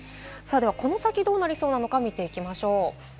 この先どうなりそうか、見ていきましょう。